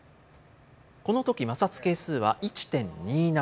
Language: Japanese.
このとき、摩擦係数は１．２７。